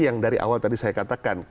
yang dari awal tadi saya katakan